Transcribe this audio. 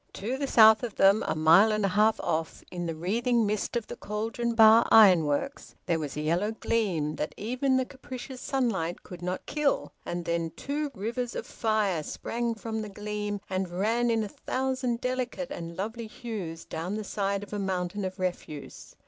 To the south of them, a mile and a half off, in the wreathing mist of the Cauldon Bar Ironworks, there was a yellow gleam that even the capricious sunlight could not kill, and then two rivers of fire sprang from the gleam and ran in a thousand delicate and lovely hues down the side of a mountain of refuse.